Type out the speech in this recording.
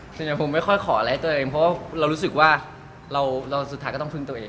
ส่วนใหญ่ผมไม่ค่อยขออะไรให้ตัวเองเพราะว่าเรารู้สึกว่าเราสุดท้ายก็ต้องพึ่งตัวเอง